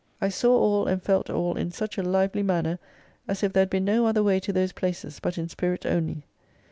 I saw all and felt all in such a lively manner, as ii there had been no other way to those places, but in spirit only.